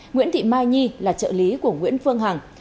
nguyễn thị mai nhi là trợ lý của nguyễn phương hằng